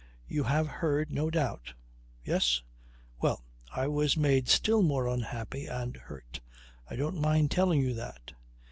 You have heard, no doubt ... Yes? Well, I was made still more unhappy and hurt I don't mind telling you that.